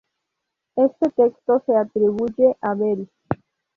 Este texto se atribuye a Bell.